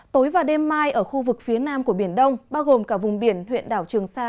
tối và đêm mai ở khu vực phía nam của biển đông bao gồm cả vùng biển huyện đảo trường sa